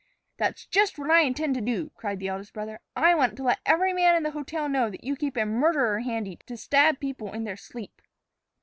"That's just what I intend to do," cried the eldest brother. "I want to let every man in the hotel know that you keep a murderer handy to stab people in their sleep!"